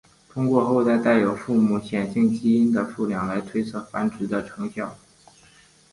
通过后代带有父母显性基因的数量来推测繁殖的成效。